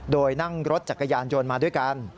โดยนั่งรถจักรยานยนต์มาด้วยกัน